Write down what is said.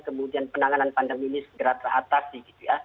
kemudian penanganan pandemi ini segera teratasi